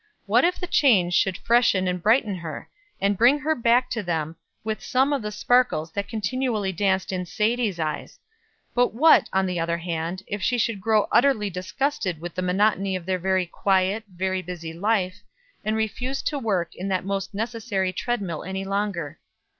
What if the change would freshen and brighten her, and bring her back to them with some of the sparkles that continually danced in Sadie's eyes; but what, on the other hand, if she should grow utterly disgusted with the monotony of their very quiet, very busy life, and refuse to work in that most necessary treadmill any longer.